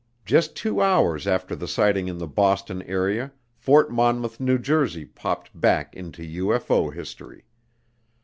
Just two hours after the sighting in the Boston area Fort Monmouth, New Jersey, popped back into UFO history.